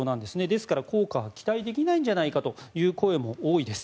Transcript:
ですから効果は期待できないんじゃないかという声も多いです。